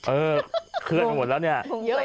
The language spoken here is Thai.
เออเคลื่อนไปหมดแล้วเนี่ย